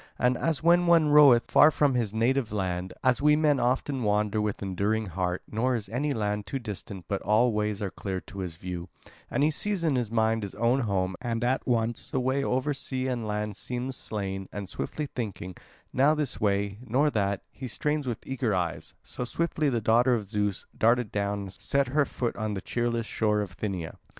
And as when one roveth far from his native land, as we men often wander with enduring heart, nor is any land too distant but all ways are clear to his view, and he sees in mind his own home, and at once the way over sea and land seems slain, and swiftly thinking, now this way, now that, he strains with eager eyes; so swiftly the daughter of Zeus darted down and set her foot on the cheerless shore of Thynia.